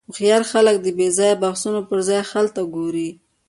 هوښیار خلک د بېځایه بحثونو پر ځای حل ته ګوري.